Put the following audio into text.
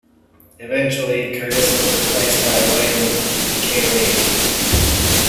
Eventually Curtiz was replaced by William Keighley.